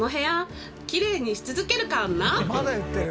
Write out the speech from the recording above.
「まだ言ってる！